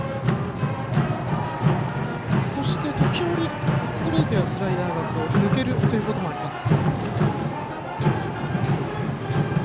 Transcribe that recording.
そして時折ストレートやスライダーが抜けるということもあります。